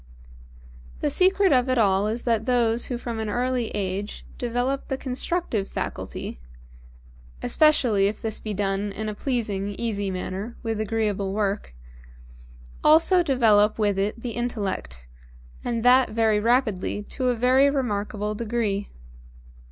The secret of it all is that those who from an early age develop the constructive faculty (especially if this be done in a pleasing, easy manner, with agreeable work) also develop with it the Intellect, and that very rapidly to a very remarkable degree.